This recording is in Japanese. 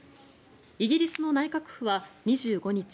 イギリスの内閣府は２５日